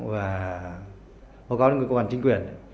và báo cáo đến cơ quan chính quyền